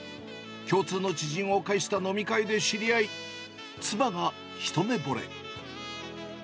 共通の知人を介した飲み会で知り合い、妻が一目ぼれ。